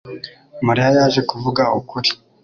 mariya yaje kuvuga ukuri